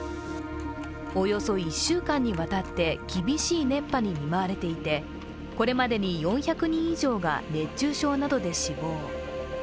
およそ１週間にわたって厳しい熱波に見舞われていて、これまでに４００人以上が熱中症などで死亡。